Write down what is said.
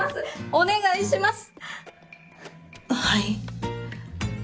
お願いします！